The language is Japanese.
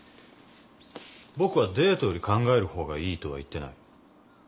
僕はデートより考えるほうがいいとは言ってない。